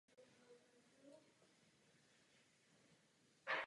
Začal publikovat své fotografie a zaujal především akty.